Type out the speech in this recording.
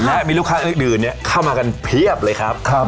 และมีลูกค้าอื่นเข้ามากันเพียบเลยครับ